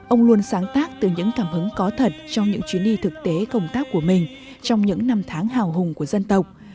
ông luôn sáng tác từ những cảm hứng có thật trong những chuyến đi thực tế công tác của mình trong những năm tháng hào hùng của dân tộc